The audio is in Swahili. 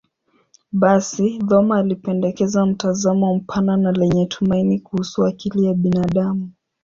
Basi, Thoma alipendekeza mtazamo mpana na lenye tumaini kuhusu akili ya binadamu.